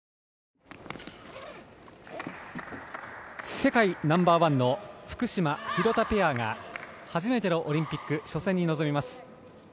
世界ナンバーワンの福島、廣田ペアが初めてのオリンピック初戦に臨みます。